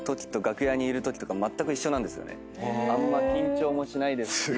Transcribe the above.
あんま緊張もしないですし。